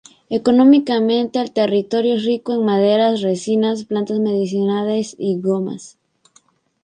Económicamente, el territorio es rico en maderas, resinas, plantas medicinales y gomas.